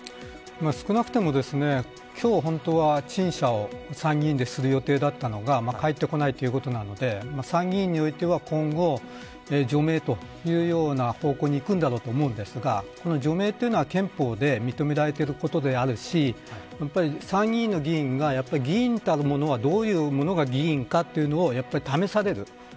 少なくても、今日本当は陳謝を参議院でする予定だったのが帰ってこないということなので参議院議員においては今後除名というような方向にいくと思うんですがこの除名は、憲法で認められていることでもあるし参議院の議員が議員たるものはどういうものが議員とかいうものを試される。